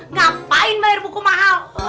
ngapain bayar buku mahal